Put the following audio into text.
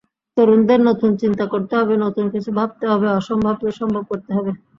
তরুণদের নতুন চিন্তা করতে হবে, নতুন কিছু ভাবতে হবে, অসম্ভবকে সম্ভব করতে হবে।